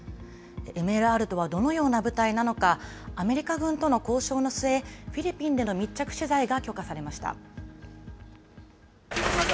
ＭＬＲとはどのような部隊なのか、アメリカ軍との交渉の末、フィリピンでの密着取材が許可されました。